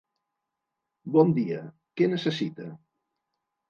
Bon dia, què necessita?